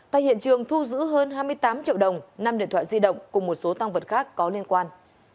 tại hiện trường thu giữ hơn hai mươi tám triệu đồng năm điện thoại di động cùng một số tăng vật khác có liên quan